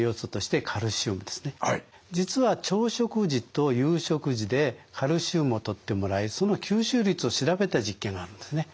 実は朝食時と夕食時でカルシウムをとってもらいその吸収率を調べた実験があるんですね。